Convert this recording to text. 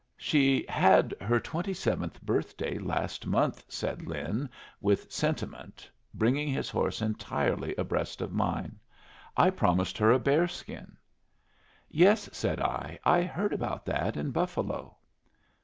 "She had her twenty seventh birthday last month," said Lin, with sentiment, bringing his horse entirely abreast of mine. "I promised her a bear skin." "Yes," said I, "I heard about that in Buffalo."